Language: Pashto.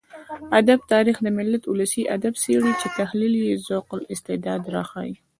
ادب تاريخ د ملت ولسي ادبيات څېړي چې تحليل يې ذوق او استعداد راښيي.